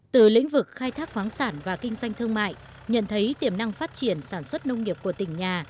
từ lĩnh vực khai thác khoáng sản và kinh doanh thương mại nhận thấy tiềm năng phát triển sản xuất nông nghiệp của tỉnh nhà